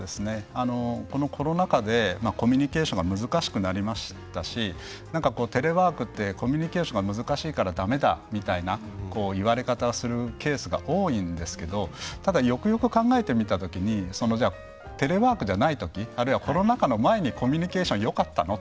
このコロナ禍でコミュニケーションが難しくなりましたしテレワークってコミュニケーションが難しいからだめだ、みたいな言われ方をするケースが多いんですけどただ、よくよく考えてみた時にテレワークじゃない時あるいはコロナ禍の前にコミュニケーションよかったの？